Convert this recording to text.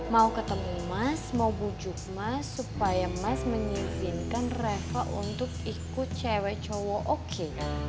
mau ketemu mas mau bu jukma supaya mas mengizinkan reva untuk ikut cewek cewek oke